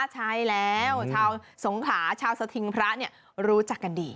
ใช่แล้วชาวสงขลาชาวสถิงพระรู้จักกันดี